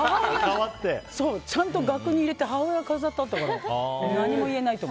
ちゃんと額に入れて母親のが飾ってあって。